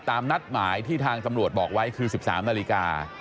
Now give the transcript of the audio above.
ตามนัดหมายที่ทางตำรวจบอกไว้คือ๑๓นาฬิกา